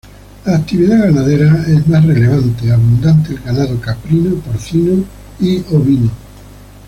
La actividad ganadera es más relevante, abundante el ganado caprino, porcino y ovino.